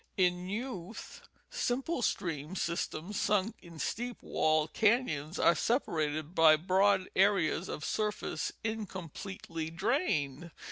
In youth simple stream systems sunk in steep walled canons are separated by broad areas of surface incompletely drained.